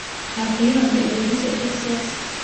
აქვეა ამ პერიოდის ეკლესიაც.